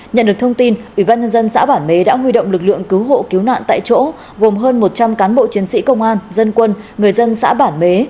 nhận được thông tin ubnd xã bản mế đã huy động lực lượng cứu hộ cứu nạn tại chỗ gồm hơn một trăm linh cán bộ chiến sĩ công an dân quân người dân xã bản bế